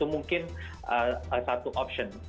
mungkin satu option